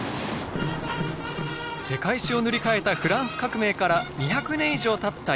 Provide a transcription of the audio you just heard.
世界史を塗り替えたフランス革命から２００年以上たった